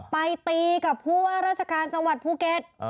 ไปตีกับผู้ว่าราชการจังหวัดภูเก็ต